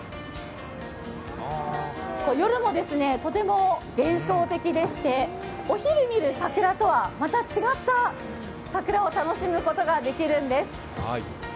夜もとても幻想的でして、お昼見る桜とはまた違った桜を楽しむことができるんです。